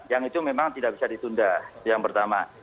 yang itu memang tidak bisa ditunda itu yang pertama